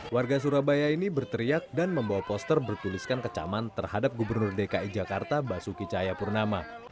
warga surabaya ini berteriak dan membawa poster bertuliskan kecaman terhadap gubernur dki jakarta basuki cahayapurnama